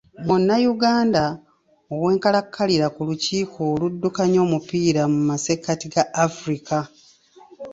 Munnayuganda ow’enkalakkalira ku lukiiko oluddukanya omupiira mu massekati ga Afirika.